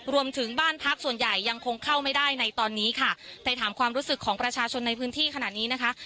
รวมถึงบ้านพักส่วนใหญ่ยังคงเข้าไม่ได้ในตอนนี้ค่ะแต่ถามความรู้สึกของประชาชนในพื้นที่ขนาดนี้นะคะ